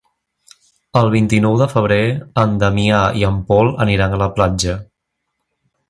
El vint-i-nou de febrer en Damià i en Pol aniran a la platja.